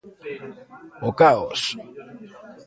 O caos.